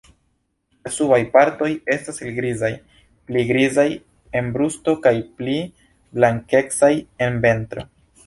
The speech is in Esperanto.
La subaj partoj estas helgrizaj, pli grizaj en brusto kaj pli blankecaj en ventro.